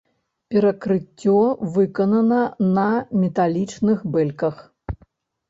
Перакрыццё выканана на металічных бэльках.